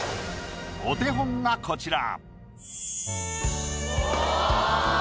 お手本がこちら。